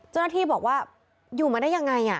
เจ้าหน้าที่บอกว่าอยู่มาได้ยังไง